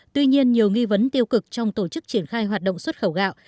tuy nhiên nhiều nghi vấn tiêu cực trong tổ chức triển khai hoạt động xuất khẩu gạo